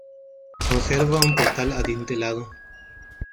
Conserva un portal adintelado.